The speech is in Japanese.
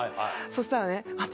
そしたらね私。